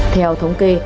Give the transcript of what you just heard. theo thống kê